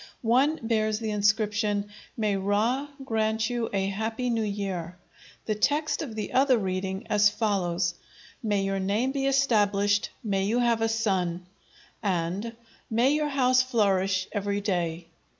One bears the inscription "May Ra grant you a happy New Year," the text of the other reading as follows: "May your name be established, may you have a son," and "May your house flourish every day."